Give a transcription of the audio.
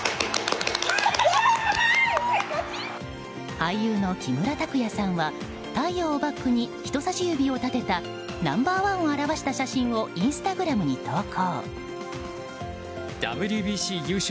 俳優の木村拓哉さんは太陽をバックに人差し指を立てたナンバーワンを現した写真をインスタグラムに投稿。